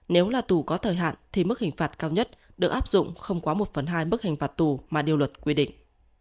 nếu là tù có thời hạn thì mức hình phạt cao nhất được áp dụng không quá một phần hai bức hình phạt tù mà điều luật quy định